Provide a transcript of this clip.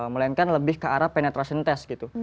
melainkan lebih ke arah penetration test gitu